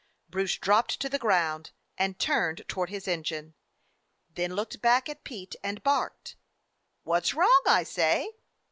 Bruce dropped to the ground, and turned toward his engine, then looked back at Pete and barked. "What 's wrong, I say?"